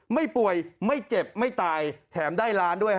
ไม่ป่วยไม่เจ็บไม่ตายแถมได้ล้านด้วย